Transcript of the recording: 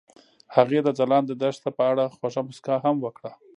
هغې د ځلانده دښته په اړه خوږه موسکا هم وکړه.